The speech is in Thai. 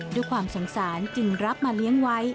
ด้วยความสงสารจึงรับมาเลี้ยงไว้